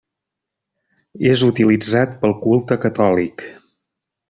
És utilitzat pel culte catòlic.